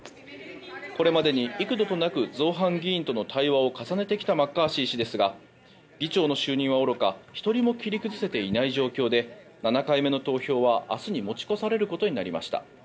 これまでに幾度となく造反議員との対話を重ねてきたマッカーシー氏ですが議長の就任はおろか１人も切り崩せていない状況で７回目の投票は明日に持ち越されることになりました。